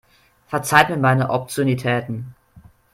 Verzeiht mir meine Obszönitäten.